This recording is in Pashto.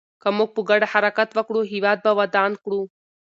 که موږ په ګډه حرکت وکړو، هېواد به ودان کړو.